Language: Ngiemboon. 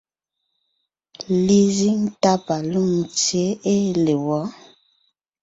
Lezíŋ tá pa Lôŋtsyě ée le wɔ̌?